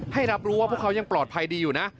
ให้รับรู้ว่าพวกเขายังปลอดภัยดีอยู่นะ